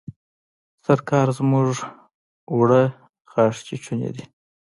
سرکال زموږ اوړه غاښ چيچوني دي.